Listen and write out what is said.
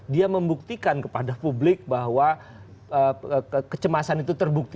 dia membuktikan kepada publik bahwa kecemasan itu terbukti